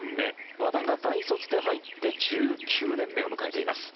和田が大卒で入って１９年目を迎えています。